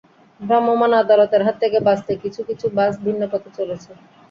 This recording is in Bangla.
ভ্রাম্যমাণ আদালতের হাত থেকে বাঁচতে কিছু কিছু বাস ভিন্ন পথে চলেছে।